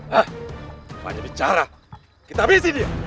hah banyak bicara kita habisi dia